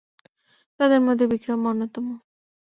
তাদের মধ্যে বিক্রমও অন্যতম।